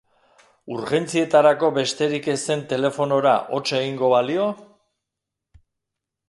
Urgentzietarako besterik ez zen telefonora hots egingo balio?